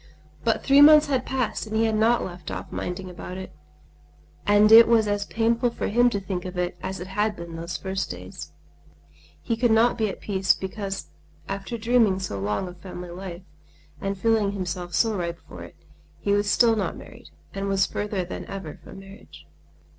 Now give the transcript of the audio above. But three months had passed and he had not left off minding about it; and it was as painful for him to think of it as it had been those first days. He could not be at peace because after dreaming so long of family life, and feeling himself so ripe for it, he was still not married, and was further than ever from marriage.